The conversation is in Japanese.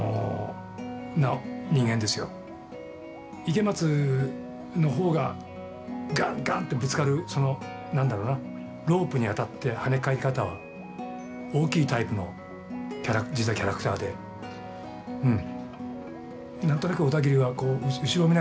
池松のほうがガンガンってぶつかるそのなんだろうなロープに当たって、はね返り方は大きいタイプの実はキャラクターでうん。